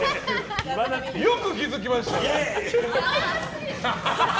よく気づきましたね！